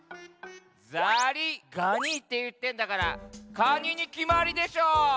「ザリガニ」っていってんだからカニにきまりでしょう！